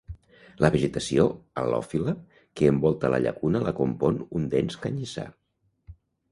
La vegetació halòfila que envolta la llacuna la compon un dens canyissar.